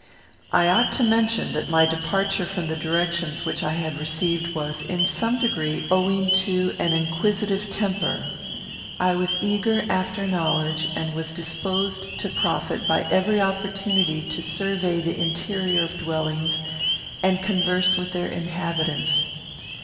I ought to mention that my departure from the directions which I had received was, in some degree, owing to an inquisitive temper; I was eager after knowledge, and was disposed to profit by every opportunity to survey the interior of dwellings and converse with their inhabitants.